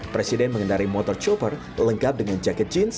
presiden mengendari motor chopper lengkap dengan jaket jeans